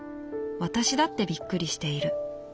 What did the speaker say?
私だってびっくりしている。